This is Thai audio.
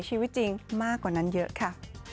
ชีวิตจริงมากกว่านั้นเยอะค่ะ